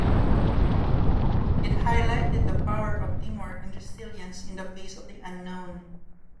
It highlighted the power of teamwork and resilience in the face of the unknown.